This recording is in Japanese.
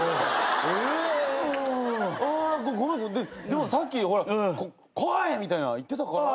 でもさっきほら「来い！」みたいな言ってたから。